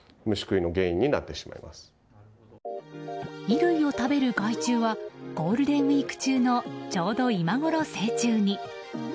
衣類を食べる害虫はゴールデンウィーク中のちょうど今ごろ、成虫に。